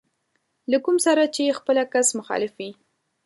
له کوم سره چې خپله کس مخالف وي.